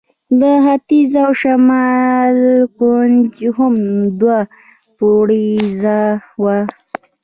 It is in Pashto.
ختیځ او شمال کونج هم دوه پوړیزه وه.